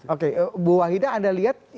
oke bu wahida anda lihat